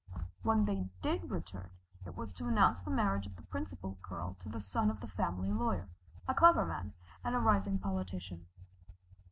When they did return, it was to announce the marriage of the Principal Girl to the son of the family lawyer, a clever man, and a rising politician.